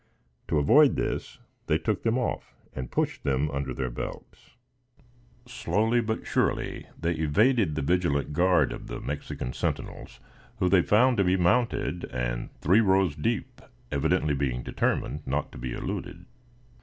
To avoid this, they took them off and pushed them under their belts. Slowly, but surely, they evaded the vigilant guard of the Mexican sentinels, who they found to be mounted and three rows deep, evidently being determined not to be eluded.